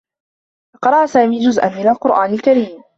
قرأ سامي جزءا من القرآن الكريم.